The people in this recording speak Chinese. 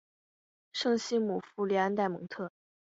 圣西姆福里安代蒙特。